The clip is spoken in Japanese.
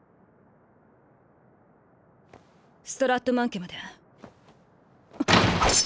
ストラットマン家まで。